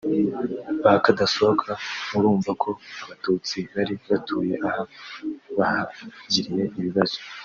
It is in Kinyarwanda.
ba Kadasokoza murumva ko abatutsi bari batuye aha bahagiriye ibibazo